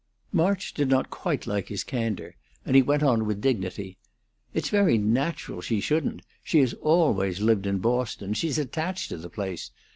March did not quite like his candor, and he went on with dignity. "It's very natural she shouldn't. She has always lived in Boston; she's attached to the place.